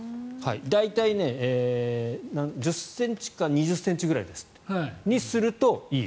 大体、１０ｃｍか２０ｃｍくらいにするといい。